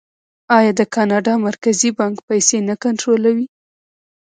آیا د کاناډا مرکزي بانک پیسې نه کنټرولوي؟